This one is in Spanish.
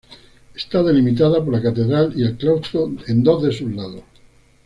Está delimitada por la catedral y el claustro en dos de sus lados.